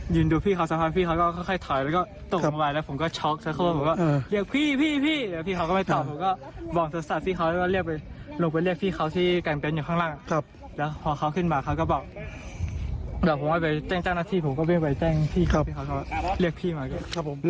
ยืนดูพี่เค้าสำหรับพี่เค้าก็ค่อยถอย